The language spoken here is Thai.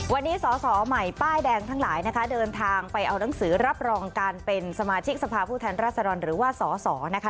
วันนี้สอสอใหม่ป้ายแดงทั้งหลายนะคะเดินทางไปเอานังสือรับรองการเป็นสมาชิกสภาพผู้แทนรัศดรหรือว่าสสนะคะ